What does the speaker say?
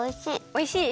おいしい？